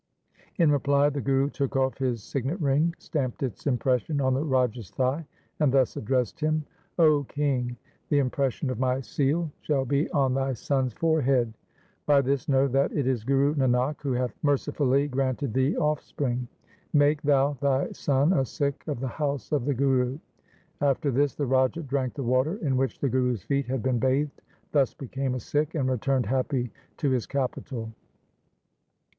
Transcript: In reply the Guru took off his signet ring, stamped its impression on the Raja's thigh, and thus addressed him :' 0 king, the impression of my seal shall be on thy son's forehead. By this know that it is Guru Nanak who hath mercifully granted thee offspring. Make thou thy son a Sikh of the house of the Guru.' After this the Raja drank the water in which the Guru's feet had been bathed, thus became a Sikh, and returned happy to his capital.